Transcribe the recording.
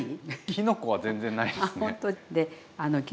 きのこは全然ないですね。